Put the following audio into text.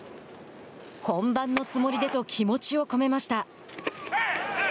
「本番のつもりで」と気持ちを込めました。